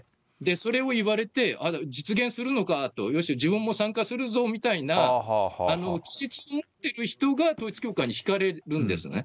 それを言われて、実現するのかと、よし、自分も参加するぞみたいな持ってる人が統一教会にひかれるんですよね。